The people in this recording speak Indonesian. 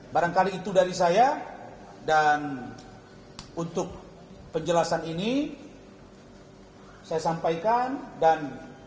barangkali itu dari saya dan untuk penjelasan ini saya sampaikan dan